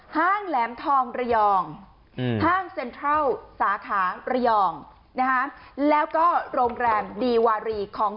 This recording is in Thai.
ห้างแหลมทองระยอง